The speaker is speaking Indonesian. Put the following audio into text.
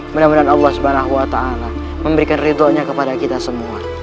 mudah mudahan allah swt memberikan ridhonya kepada kita semua